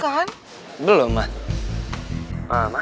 kamu belum masuk kelas kan